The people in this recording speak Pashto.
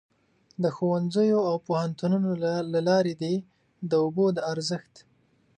د ښوونځیو او پوهنتونونو له لارې دې د اوبو د ارزښت.